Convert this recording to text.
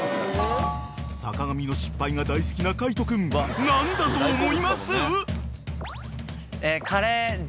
［坂上の失敗が大好きな海人君何だと思います？］